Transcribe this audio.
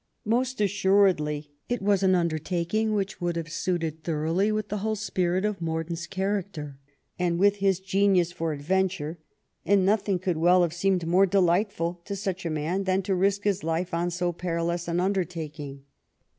Most as suredly it was an undertaking which would have suited thoroughly with the whole spirit of Mordaunt's char acter and with his genius for adventure, and nothing could well have seemed more delightful to such a man than to risk his life on so perilous an undertaking.